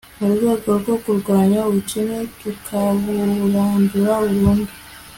mu rwego rwo kurwanya ubukene tukaburandura burundu